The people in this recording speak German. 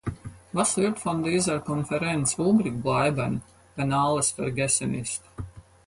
Was wird von dieser Konferenz übrigbleiben, wenn alles vergessen ist?